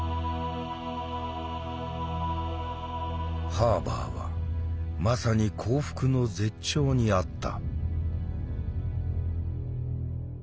ハーバーはまさに幸福の絶頂にあった。